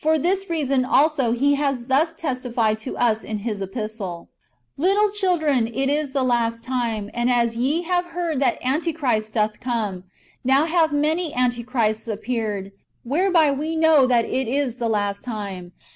329 this reason also he has thus testified to ns in his epistle :" Little children^ it is the last time ; and as ye have heard that Antichrist doth come, now have many antichrists appeared ; whereby we know that it is the last time.